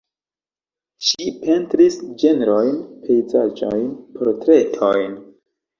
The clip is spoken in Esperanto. Ŝi pentris ĝenrojn, pejzaĝojn, portretojn.